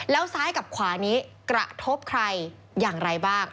แล้วซ้ายกับขวานี้กระทบใครอย่างไรบ้าง